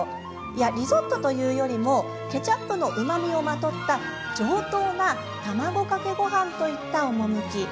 いや、リゾットというよりもケチャップのうまみをまとった上等な卵かけごはんといった趣。